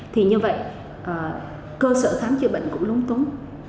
thì như vậy cơ sở thám chữa bệnh cũng lúng tốn